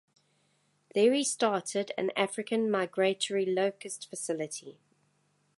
There he started an African migratory locust facility.